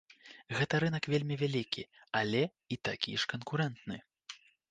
Гэта рынак вельмі вялікі, але і такі ж канкурэнтны.